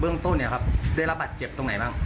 เบื้องต้นนี้ได้รับบัตรเจ็บอยู่ไหนบ้าง